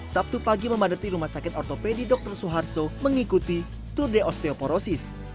sabtu pagi memadati rumah sakit ortopedi dr suharto mengikuti tour de osteoporosis